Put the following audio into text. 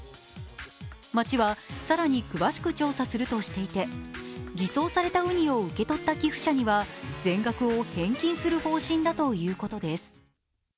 町は更に詳しく調査するとしていて偽装されたうにを受け取った寄付者には全額を返金する方針だということです。